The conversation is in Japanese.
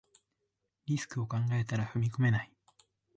リスクを考えたら踏み込めない